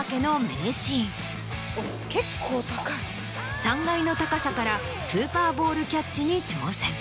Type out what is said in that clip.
３階の高さからスーパーボールキャッチに挑戦。